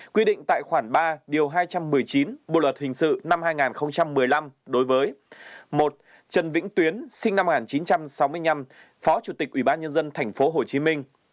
quy định tại khoản ba điều hai trăm một mươi chín bộ luật hình sự năm hai nghìn một mươi năm đối với một trần vĩnh tuyến sinh năm một nghìn chín trăm sáu mươi năm phó chủ tịch ubnd tp hcm